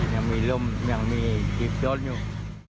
ยังมีลุ่มยังมีชีพจรอยู่